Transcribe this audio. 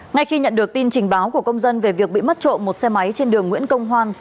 ngay khi nhận được tin trình báo của công dân về việc bị mất trộm một xe máy trên đường nguyễn công hoan